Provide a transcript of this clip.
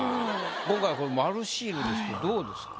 今回丸シールですけどどうですか？